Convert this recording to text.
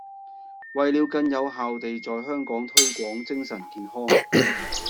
為了更有效地在香港推廣精神健康